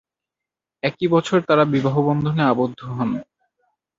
একই বছর তারা বিবাহবন্ধনে আবদ্ধ হন।